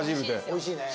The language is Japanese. おいしいね。